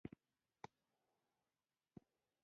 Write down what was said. ته زما په ځانګړي مال کې حق لرې.